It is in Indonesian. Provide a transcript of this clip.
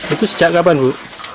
itu sejak kapan bu